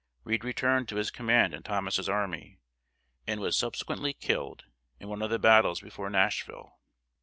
Reed returned to his command in Thomas's Army, and was subsequently killed in one of the battles before Nashville.